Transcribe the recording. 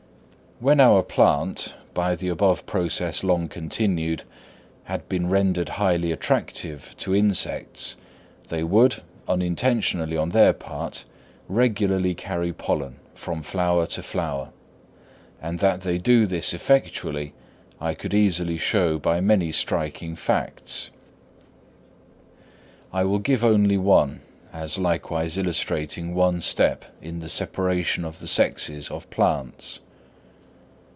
When our plant, by the above process long continued, had been rendered highly attractive to insects, they would, unintentionally on their part, regularly carry pollen from flower to flower; and that they do this effectually I could easily show by many striking facts. I will give only one, as likewise illustrating one step in the separation of the sexes of plants.